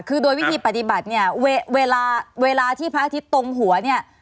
คือโดยวิธีปฏิบัติเนี่ยเวลาเวลาที่พระอาทิตย์ตรงหัวเนี่ย